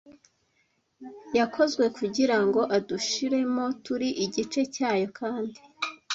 Yakozwe kugirango adushiremo, turi igice cyayo kandi